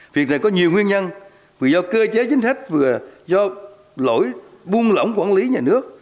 việc này có nhiều nguyên nhân vừa do cơ chế chính thách vừa do lỗi buông lỏng quản lý nhà nước